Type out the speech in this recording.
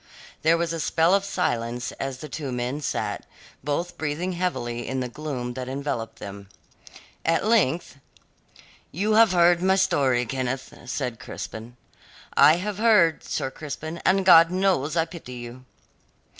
There was a spell of silence as the two men sat, both breathing heavily in the gloom that enveloped them. At length: "You have heard my story, Kenneth," said Crispin. "I have heard, Sir Crispin, and God knows I pity you."